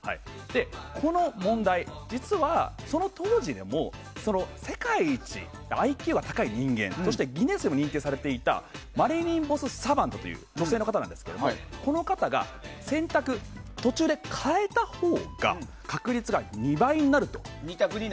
この問題、実はその当時でも世界一ＩＱが高い人間としてギネスにも認定されていたマリリン・ボス・サバントという女性の方なんですが、この方が選択、途中で変えたほうが確率が２倍になると。